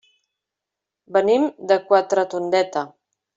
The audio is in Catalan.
Venim de Quatretondeta.